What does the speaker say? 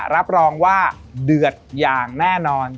รับรองว่าเดือดอย่างแน่นอน